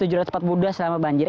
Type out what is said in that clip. ini sudah selama banjir